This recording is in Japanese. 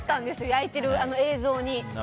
焼いている映像に。